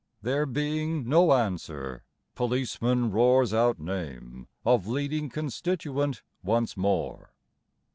There being no answer, Policeman roars out name of leading constituent once more.